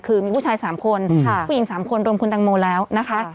คือมีผู้ชาย๓คนผู้หญิง๓คนรวมคุณตังโมแล้วนะคะ